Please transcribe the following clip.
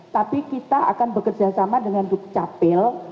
tapi kita akan bekerjasama dengan duk capil